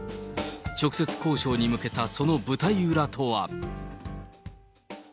直接交渉に向けたその舞台裏とは。